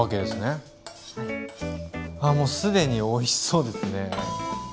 ああもう既においしそうですね。